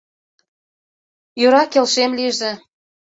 Йӧра, келшем лийже.